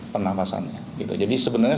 penafasannya jadi sebenarnya